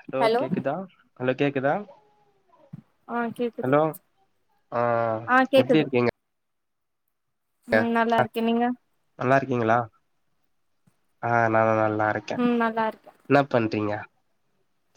hello கேக்குதா hello கேக்குதா ஆ கேக்குது ஹலோ ஆ ஆ எப்டி கேக்குது இருக்கீங்க அ ம் நல்லா ஆ இருக்கே நீங்க நல்லா இருக்கீங்ளா ஆ நானு நல்லா இருக் ம் நல்லா இருக்க‌ என்னாப் பண்றீங்க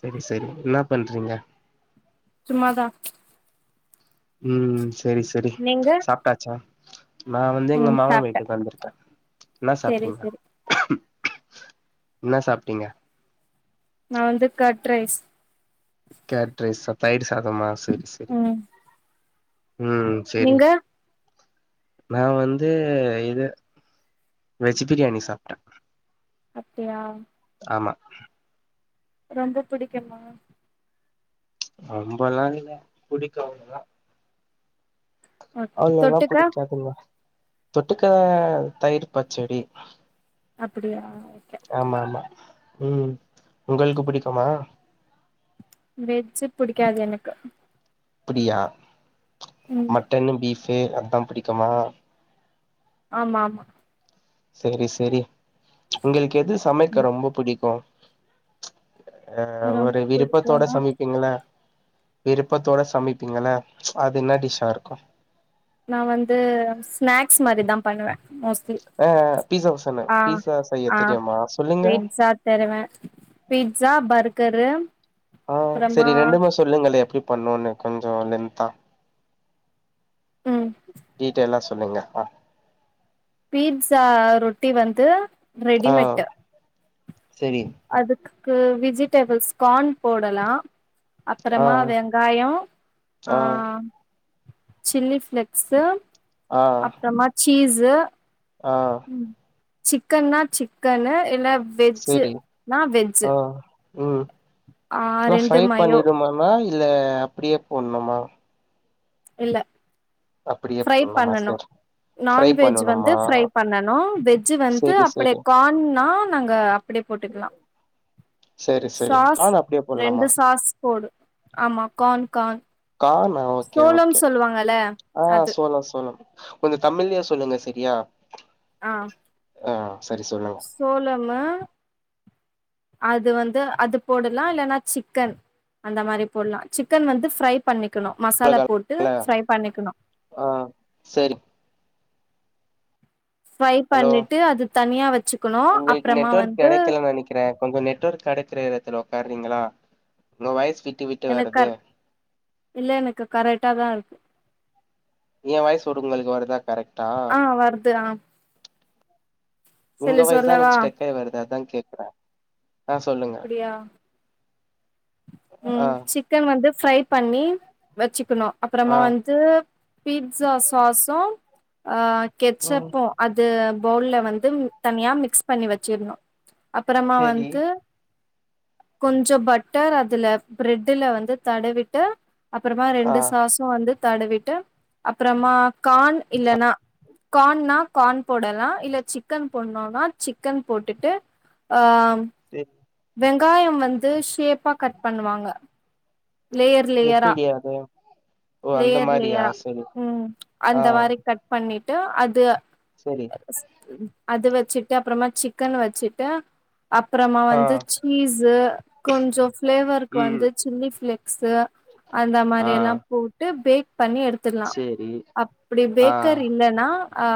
சரி சரி என்னா பண்றீங்க சும்மாதா ம் சரி சரி நீங்க சாப்ட்டாச்சா நா வந்து எங்க ம் மாமா சாப்ட்டே வீட்டுக்கு வந்திருக்க என்ன செரி சாப்டீங்க செரி என்னா சாப்டிங்க நா வந்து கட் ரைஸ் கேட் ரைஸ் தயிர் சாதமா சரி சரி ம் ம் சரி நீங்க நா வந்து இது வெஜ் பிரியாணி சாப்ட அப்டியா ஆமா ரொம்ப புடிக்குமா ரொம்பலா இல்லிக புடிக்கு அவ்ளதா ஓகே அது வேணா தொட்டுக்க புடிக்காதுங்க தொட்டுக்க தயிர் பச்சடி அப்டியா ஓகே ஆமா ஆமா ம் உங்குளுக்கு புடிக்குமா வெஜ்ஜூ புடிக்காது எனக்கு அப்பிடியா ம் மட்டன் பீஃபு அத்தா புடிக்குமா ஆமா ஆமா சரி சரி உங்களுக்கு எது சமைக்க ரொம்ப புடிக்கு அ ஒரு ரொம்ப விருப்பத்தோட பிடிக்கும்னா சமைப்பீங்களா விருப்பத்தோட சமைப்பீங்கள அது என்ன டிஷ்ஷா இருக்கு நா வந்து ஸ்நாக்ஸ் மாரிதா பண்ணுவே மோஸ்ட் அ அ பீஸாவுசன்னு பீஸா செய்யத் ஆ தெரியுமா சொல்லுங்க பீட்ஸா தருவே பீட்ஸா பர்கரு ஆ அப்புறமா சரி ரெண்டுமே சொல்லுங்களே எப்டி பண்ணுனு கொஞ்சோ லென்தா ம் டீடைலா சொல்லுங்க அ பீட்ஸா ரொட்டி வந்து ஆ ரெடிமேட் சேரி அதுக்கு விஜிடபிள்ஸ் கார்ன் போடலா ஆ அப்பறமா வெங்காயோ ஆ சில்லி ஃபிளேக்ஸ்ஸு ஆ அப்புறமா சீஸ்ஸு ஆ சிக்கன்னா சிக்கன்னு இல்ல சரி வெஜ்ஜுனா வெஜ்ஜு ஆ ம் ஆ நல்லா ரெண்டு ஃப்ரை மயோ பண்ணிடுமானா இல்ல அப்டியே போட்னுமா இல்ல அப்டியே ஃப்ரை போட்லாமா பண்ணனு சேரி நான்வெஜ் வந்து ஃப்ரை பண்ணனு வெஜ் வந்து செரி அப்டி செரி கார்ன்னா நாங்க அப்டி போட்டுக்கலா செரி செரி சாஸ் கான் அப்டியே ரெண்டு போட்லாமா சாஸ் போடு ஆமா கார்ன் கார்ன் கார்ன்ணா ஓகே சோளம் ஓகே சொல்லுவாங்கல்ல ஆ அது சோளோ சோளோ கொஞ்சோ தமிழ்லே சொல்லுங்க செரியா ஆ ம் சரி சொல்லுங் சோளமு அது வந்து அது போடலா இல்லன்னா சிக்கன் அந்த மாரி போடலா சிக்கன் வந்து ஃப்ரை பண்ணிக்குணு மசாலா போட்டு இல்ல ஃப்ரை பண்ணிக்குணு ஆ சரி ஃப்ரை ஹலோ பண்ணிட்டு அத தனியா வச்சுக்குணு அப்புறமா வந்து கிறே கொஞ்சோ நெட்ஒர்க் கெடைக்கிற எடத்துல உட்கார்றீங்ளா உங்க வாய்ஸ் விட்டு விட்டு எனக்கு வருது கர் இல்ல எனக்கு கரெக்டா தா‌ இருக்கு ஏ வாய்ஸ் ஒரு உங்களுக்கு வருதா கரெக்ட் ஆ வருது ஆ உங்க சொல்லு வாய்ஸ்தா சொல்லவா எனக்கு ஸ்டக் ஆகி வருது அதா கேக்குறே ஆ சொல்லுங்க அப்பிடியா ஆ ம் சிக்கன் வந்து ஃப்ரை பண்ணி வச்சுக்குணு அப்புறமா ஆ வந்து பீ்ட்ஸா சாஸு ஆ ம் கெச்சப்பு அது பவுல்ல வந்து தனியா மிக்ஸ் பண்ணி வச்சிடணு அப்பறமா சேரி வந்து கொஞ்சோ பட் டர் அதுல பிரெட்ல வந்து தடவிட்டு அப்புறமா ஆ ரெண்டு சாஸ் வந்து தடவிட்டு அப்பறமா கார்ன் இல்லன்னா கார்ன்னா கார்ன் போடலா இல்ல சிக்கன் போடோனோனா சிக்கன் போட்டுட்டு ஆ ம் தே வெங்காயம் வந்து ஷேப்பா கட் பண்ணுவாங்க லேயர் லேயரா அதே லேயர் லேயரா ம் ஆ அந்த மாரி கட் பண்ணிட்டு அது செரி அத வச்சுட்டு அப்புறமா சிக்கன் வச்சுட்டு அப்புறமா ஆ வந்து சீஸ்ஸு கொஞ்சோ ஃப்ளேவருக்கு ம் வந்து சில்லி ஃப்ளேக் ஸ்ஸு அந்த மாரி ஆ எல்லா போட்டு பேக் பண்ணி எடு எடுத்துர்லா‌ சேரி அப்டி ஆ பேக்கர் இல்லன்னா ஆ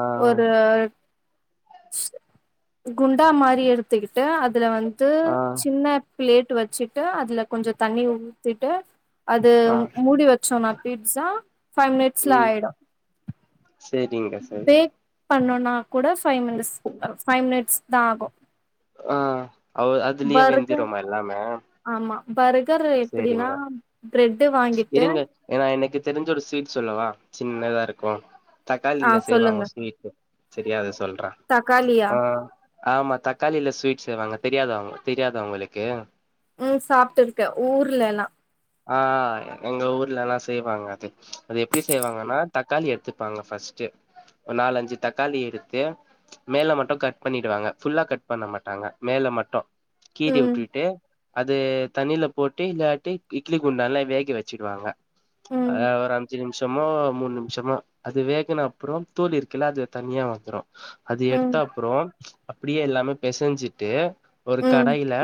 ஆ ஒரு குண்டா மாரி எடுத்துக்கிட்டு அதுல வந்து ஆ சின்ன பிளேட் வச்சிட்டு அதுல கொஞ்சோ தண்ணி ஊத்திட்டு அது ஆ மூடி வச்சோம்னா பீட்ஸா ஃபைவ் மினிட்ஸ்ல ம் ஆயிடும் சேரிங்க சரிங்க பேக் பண்ணோனா கூட ஃபைவ் மினிட்ஸ் ஃபைவ் மினிட்ஸ் தா ஆகும் ஆ அ அதுலயே வெந்திருமா எல்லாமே ஆமா பர்கர் எப்டின்னா சேரிங்க பிரெட் வாங்கிட்டு இருங்க ஏன்னா எனக்கு தெரிஞ்ச ஒரு ஸ்வீட் சொல்லவா சின்னதா இருக்கும் ஆ தக்காளில செய்வாங்க சொல்லுங்க ஸ்வீட் சரியா அது சொல்றன் தக்காளியா ஆ ஆமா தக்காளில ஸ்வீட்ஸ் செய்வாங்க தெரியாதா உங் தெரியாதா உங்களுக்கு ம் சாப்பிட்டுருக்கேன் ஊர்லல்லா ஆ எங்க ஊர்ல எல்லா செய்வாங்க அது அது எப்டி செய்வாங்கன்னா தக்காளி எடுத்துப்பாங்க ஃபஸ்ட்டு ஒரு நாலஞ்சு தக்காளி எடுத்து மேல மட்டும் கட் பண்ணிடுவாங்க ஃபுல்லா கட் பண்ண மாட்டாங்க மேல மட்டும் கீறி ம் விட்டுட்டு அது தண்ணில போட்டு இல்லாட்டி இட்லி குண்டால வேக வச்சிடுவாங்க ம் அ ஒரு அஞ்சு நிமிஷமோ மூணு நிமிஷமோ அது வேகுன அப்றோ தோல் இருக்குல்ல அது தனியா வந்துரும் அது ம் எடுத்த அப்றோ அப்டியே எல்லாமே பெசஞ்சிட்டு ஒரு ம் கடாயில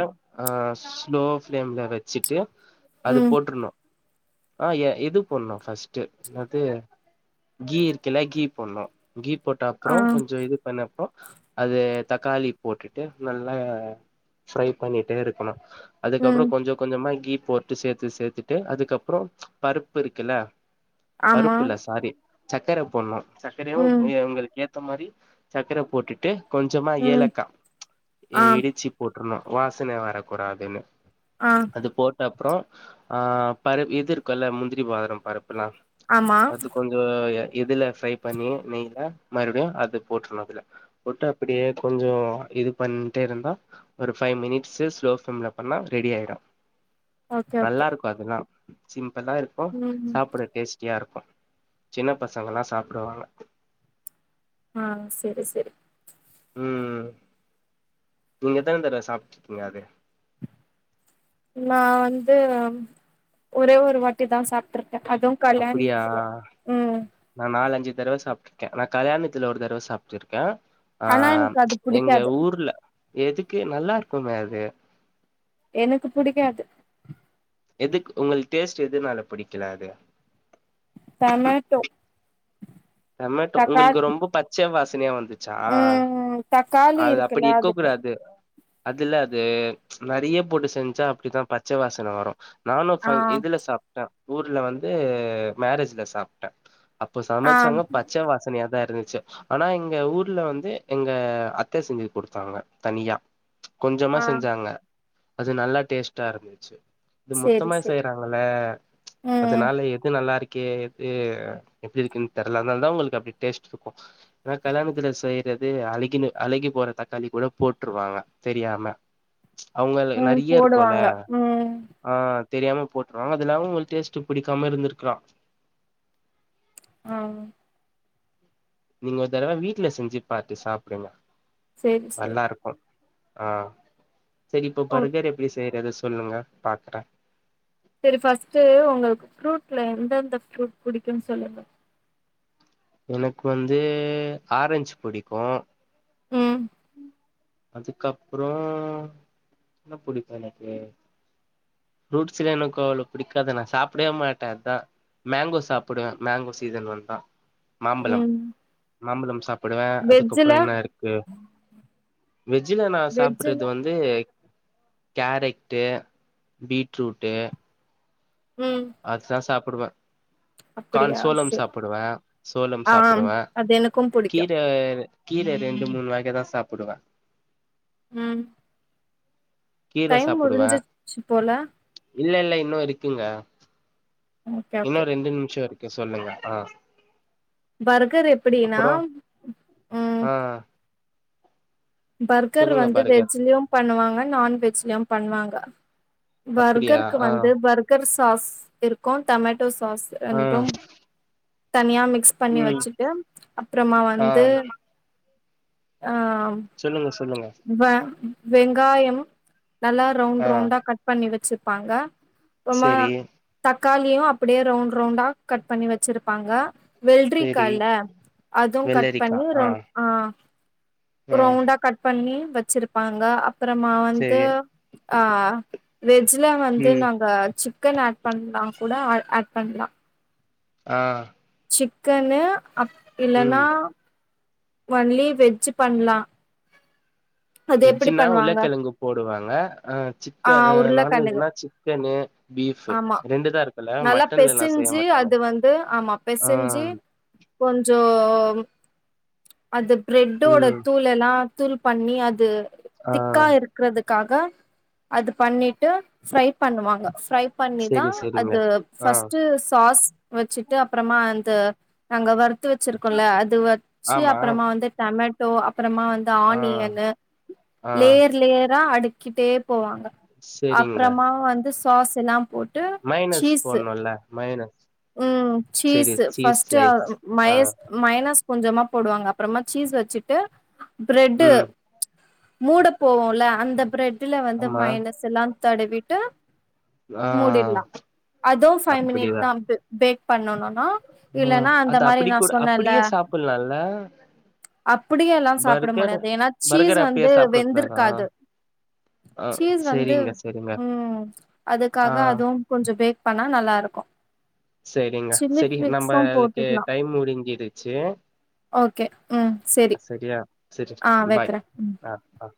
ஆ ஸ்லோ ஃப்ளேம்ல வச்சுட்டு அது ம் போட்டுறணும் ஆ எ இது போடணும் ஃபஸ்ட்டு என்னாது கீ இருக்கல்ல கீ போட்ணும் கீ போட்டு ஆ அப்றோ கொஞ்சம் இது பண்ணப்போ அது தக்காளி போட்டுட்டு நல்லா ஃப்ரை பண்ணிட்டே இருக்கணும் அதுக்கப்றோ ம் கொஞ்சோ கொஞ்சமா கீ போட் ட்டு சேத்து சேத்துட்டு அதுக்கப்றோ பருப்பு இருக்குல்ல ஆமா பருப்பில்ல சாரி சக்கர போடணும் சக்கரையவும் ம் எ உங்களுக்கு ஏத்த மாதிரி சக்கர போட்டு ட்டு கொஞ்சமா ம் ஏலக்கா ஆ இடிச்சு போட்டுருணும் வாசன வரக்கூடாதுன்னு ஆ அதுபோட்ட அப்றோ ஆ பரு இது இருக்கும்ல முந்திரி பாதிரம் பருப்புல்லா ஆமா அது கொஞ்சோ இதுல ஃப்ரை பண்ணி நெய்ல மறுபடியும் அது போட்றணும் அதுல போட்டு அப்டியே கொஞ்சோ இது பண்ணிட்டே இருந்தா ஒரு ஃபை மினிட்ஸு ஸ்லோ ஃப்ளேம்ல பண்ணா ரெடி ஆயிடும் ஓகே ஓகே நல்லா இருக்கும் அதெல்லா சிம்பிலா இருக்கும் ம் சாப்பிட டேஸ்ட் குட்டியா இருக்கு சின்னப் பசங்கல்லா சாப்டுவாங்க அ செரி செரி ம் நீங்க எத்தன தடவ சாப்ட்டுருக்கீங்க அது நா வந்து ஒரே ஒரு வாட்டி தா சாப்ட்டுருக்கே அதுவு அப்டியா கல்யாணத்துல ம் நா நாலஞ்சு தடவ சாப்ட்டுருக்கே நா கல்யாணத்துல ஒரு தடவ சாப்ட்டுருக்கே அ ஆனா எனக்கு அது எங்க புடிக்காது ஊர்ல எதுக்கு நல்லா இருக்குமே அது எனக்கு புடிக்காது எதுக்கு உங்களுக்கு டேஸ்ட் எதுனால பிடிக்கல அது டமேட்டோ டமேட்டோ தக்காளி உங்களுக்கு ரொம்ப பச்ச வாசனையா வந்துச் ச்சா ம் தக்காளி அது இருக்குல்ல அப்பிடி இருக்க அதுக்கு கூடாது அதுல அது நெறைய போட்டு செஞ்சா அப்டித்தா பச்ச வாசன வரு நானு ஆ ஃபங் இதுல சாப்ட்டே ஊர்ல வந்து மேரேஜ்ல சாப்ட்டே அப்போ ஆ சமைச்சாங்க பச்ச வாசனயா தா இருந்துச்சு ஆனா எங்க ஊர்ல வந்து எங்க அத்தே செஞ்சு குடுத்தாங்க தனியா கொஞ்சமா ஆ செஞ்சாங்க அது நல்லா டேஸ்ட்டா இருந்துச்சு இது சேரி மொத்தமா சேரி செய்றாங் க்கும்ல ம் அதுனால எது நல்லா இருக்கு எது எப்பிடி இருக்குன்னு தெர அது அதனால தா உங்களுக்கு அப்டி டேஸ்ட் இருக்கு ஆனா கல்யாணத்துல செய்றது அழகின அழுகிப் போற தக்காளி கூட போட்டுருவாங்க தெரியாம அவுங்களு ம் நெறைய இருக்குல போடுவாங்க ம் அ தெரியாம போட்டுருவாங்க அது இல்லாம உங்களுக்கு டேஸ்ட் பிடிக்காம இருந்திருக்கலா அ இன்னொரு தடவை வீட்டுல செஞ்சு பாத்து சாப்டுங்க சேரி சேரி நல்லா இருக்கு அ சரி இப்போ ஓ பர்கர் எப்டி செய்யறது சொல்லுங்க பாக்றே சரி ஃபர்ஸ்ட்ட் உங்களுக்கு ஃப்ரூட்ல எந்தெந்த ஃப்ரூட் பிடிக்கும்ன்னு சொல்லுங்க எனக்கு வந்து ஆரஞ்சு பிடிக்கு ம் அதுக்கப்பறோ என்ன பிடிக்கு எனக்கு ஃப்ரூட்ஸ்ல எனக்கு அவ்வளவு பிடிக்காது நா சாப்டவே மாட்டே அதா மேங்கோ சாப்டுவே மேங்கோ சீசன் வந்தா மாம்பழம் ம் மாம்பழம் சாப்டுவே வெஜ்ஜுல அதுக்கப்பறோ என்ன இருக்கு வெஜ்ஜல நா வெஜ்ஜுல சாப்டுறது வந்து கேரெட்டு பீட்ரூட்டு ம் அதுதா சாப்டுவே கான் அப்படியா சோளம் சரி சாப்டுவே சோளம் ஆ சாப்டுவே அது எனக்கும் புடிக்கு கீர கீரே ரெண்டு மூணு வக தா சாப்டுவே ம் கீர டைம் சாப்டுவே முடிஞ்சிடுச்சு போல இல்ல இல்ல இன்னு இருக்குங்க ஓகே ஓகே இன்னு ரெண்டு நிமிஷோ இருக்கு சொல்லுங்க அ பர்கர் எப்டினா ம் ஆ பர்கர் சொல்லுங்க வந்து பார்கவி வெஜ்லெயு பண்ணுவாங்க நான்வெஜ்லெயு பண்ணுவாங்க அப்டியா பர்கர்க்கு ஆ வந்து பர்க் பர்கர் சாஸ் இருக்கு டமேட்டோ சாஸ் ஆ ரெண்டு தனியா மிக்ஸ் பண்ணி ம் வெச்சுட்டு அப்பறமா வந்து ஆ ஆ சொல்லுங்க சொல்லுங்க வ வெங்காயம் நல்லா ரவுண்ட் ஆ ரௌண்டா கட் பண்ணி வெச்சிர்ப்பாங்க அப்பொமா செரி தக்காளியு அப்பிடியே ரவுண்ட் ரவுண்டா கட் பண்ணி வெச்சிருப்பாங்க வெல்ரிக்கா செரி ல்ல அதுவு கட் பண்ணி ரவ் ஆ ஆ ரவுண்டா கட் பண்ணி வெச்சிருப்பாங்க அப்பறமா வந்து செரி ஆ வெஜ்ல வந்து ம் நாங்க சிக்கன் ஆட் பண்ணா கூட ஆ ஆட் பண்ணலா ஆ சிக்கன்னு அப் இல்லன்னா ம் வன்லி வெஜ்ஜூ பண்லா அது எப்படி வெஜ்ஜுன்னா பண்ணுவாங்க உள்ளக்கெழங்கு போடுவாங்க ஆ ஆ சிக்க உருளக்கெழங்கு நான்வெஜ்ஜுனா சிக் சிக்கன்னு பீஃப்பு ஆமா ரெண்டுதா இருக்குல்ல நல்லா மட்டன்ல எல்லா செய்ய மாட்டாங்க ஆ பெசஞ்சி கொஞ்சோ அது ப்ரெட்டோட ம் தூள் எல்லா தூள் பண்ணி அது ஆ திக்கா இரு இருக்கறதுக்காக அது பண்ணிட்டு ஃப்ரை பண்ணுவாங்க ஃப்ரை பண்ணிதா செரி செரிங்க அது ஆ ஃபஸ்ட்டு சாஸ் வெச்சுட்டு அப்றமா அந்த அங்க வ எத்து வெச்சிருக்கோல்ல அது வெச்சு ஆமா அப்பறமா வந்து டமேட்டோ அப்பறமா வந்து ஆ ஆனியன்னு ஆ லேயர் லேயரா அடுக்கிட்டே போவாங்க செரிங்க அப்பறமா வந்து சாஸ் எல்லா போட் மைய்னிஸ் போட்ணுல மைய்னி ம் சீஸ்ஸு ஃபஸ்ட்டு வ ஆ மைய்ஸ் மைய்னஸ் கொஞ்சமா போடுவாங்க அப்றமா சீஸ் வெச்சுட்டு ப்ரெட்டு ம் மூட போவோல அந்த ப்ரெட்ல வந்து ஆமா மைய்னஸ் எல்லா தடவிட்டு ஆ முடீட்லா அதும் ஃபைவ் மினிட் அப்டியா தா பேக் பண்ணனுன்னா அ அத அப்டி கூட அப்டியே சாப்பால்லா ல அப்பிடியே எல்லா சாப்பட முட்யாது எனா சீஸ் பர்கர் அப்படியே வந்து சாப்பிடக் கூடாதா வெந்திருக்காது ஆ சீஸ் வந்து சரிங்க சரிங்க ம் ஆ அதுக்காக அதும் கு கொஞ்சொ பேக் பண்ணா நல்லா இருக்கு செரிங்க சில்லி செரி நம்ம ஃபிளிக்ஸு ளுக்கு போட்டுக்கலா டைம் முடுஞ்சிடுச்சு ஒகே ம் செரி செரியா ஆ வெக்கற அ